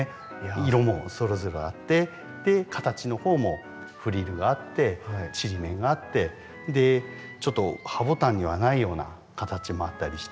色もそれぞれあって形の方もフリルがあってちりめんがあってちょっとハボタンにはないような形もあったりして。